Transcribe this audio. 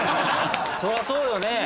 そりゃそうよね。